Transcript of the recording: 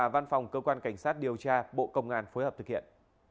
văn phòng cơ quan cảnh sát điều tra bộ công an phối hợp thực hiện